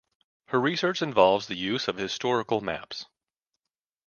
Her research involves the use of historic maps.